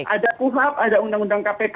ada kuhap ada undang undang kpk